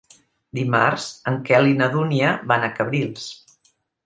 Dimarts en Quel i na Dúnia van a Cabrils.